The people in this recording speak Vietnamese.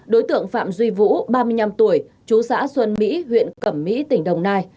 đối tượng phạm duy vũ ba mươi năm tuổi chú xã xuân mỹ huyện cẩm mỹ tỉnh đồng nai